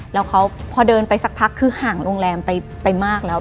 แล้วเขาพอเดินไปสักพักคือห่างโรงแรมไปมากแล้ว